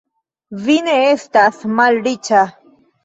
Vi ne estas malriĉa.